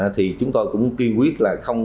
thì chúng tôi cũng kiên quyết